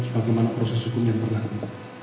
bagaimana proses hukum yang terlaku